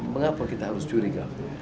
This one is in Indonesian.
mengapa kita harus curiga